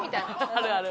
あるある。